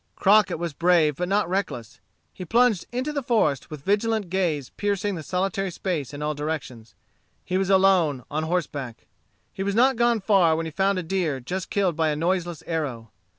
Crockett was brave, but not reckless. He plunged into the forest, with vigilant gaze piercing the solitary space in all directions. He was alone, on horseback. He had not gone far when he found a deer just killed by a noiseless arrow.